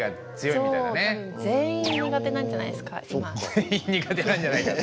全員苦手なんじゃないかと。